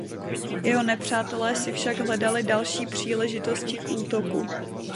Jeho nepřátelé si však hledali další příležitosti k útoku.